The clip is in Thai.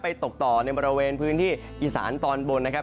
ตกต่อในบริเวณพื้นที่อีสานตอนบนนะครับ